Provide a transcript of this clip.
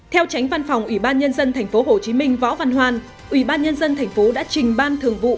theo tránh văn phòng ủy ban nhân dân tp hcm võ văn hoan ủy ban nhân dân tp đã trình ban thường vụ